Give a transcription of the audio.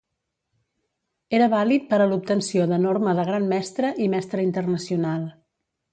Era vàlid per a l'obtenció de norma de Gran Mestre i Mestre Internacional.